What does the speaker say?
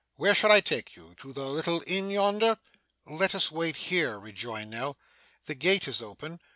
Where shall I take you? To the little inn yonder?' 'Let us wait here,' rejoined Nell. 'The gate is open.